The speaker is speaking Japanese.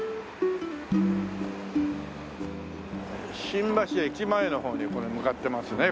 新橋駅前の方にこれ向かってますね